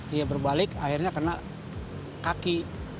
dia berbalik akhirnya kena kaki